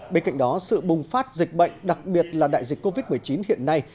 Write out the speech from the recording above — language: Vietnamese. bên cạnh đó sự bùng phát dịch bệnh đặc biệt là đại dịch covid một mươi chín hiện nay